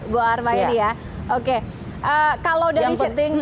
gua harapin ya oke